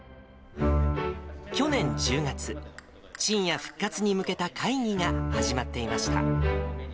去年１０月、ちんや復活に向けた会議が始まっていました。